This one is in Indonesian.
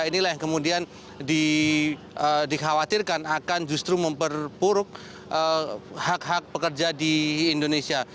inilah yang kemudian dikhawatirkan akan justru memperpuruk hak hak pekerja di indonesia